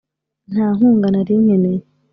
nta nkunga nari nkeneye,